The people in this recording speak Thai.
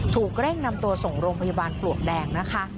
ถูกเร่งนำตัวส่งโรงพยาบาลปลวกแดงนะคะ